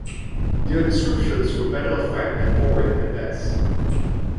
Their descriptions were matter-of-fact and boring at best.